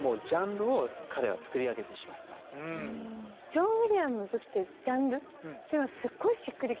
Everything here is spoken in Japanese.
「ジョン・ウィリアムズ」っていうジャンルっていうのはすごいしっくりきたなっていう。